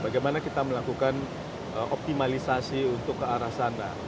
bagaimana kita melakukan optimalisasi untuk ke arah sana